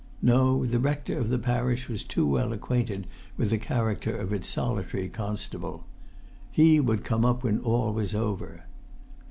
No, the rector of the parish was too well acquainted with the character of its solitary constable. He would come up when all was over.